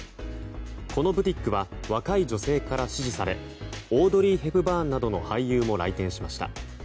このブティックは若い女性から支持されオードリー・ヘプバーンなどの俳優も来店しました。